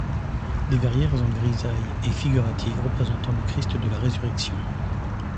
Des verrières en grisaille et figurative représentant le Christ de la résurrection.